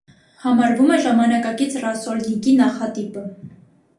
Համարվում է ժամանակակից ռասոլնիկի նախատիպը։